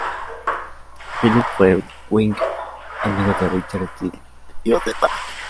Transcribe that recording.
Philips fue un whig, amigo de Richard Steele y Joseph Addison.